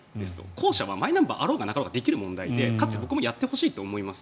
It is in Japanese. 後者はマイナンバーあろうがなかろうができる問題でかつ僕もやってほしいと思います。